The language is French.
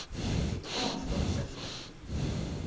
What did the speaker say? C’est étrange comme ça change tout.